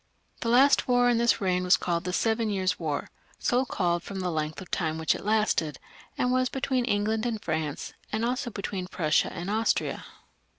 The last war in this reign was called The Seven Years' War, so called from the length of time for which it lasted, and was between England and France, and also between Prussia and Austria.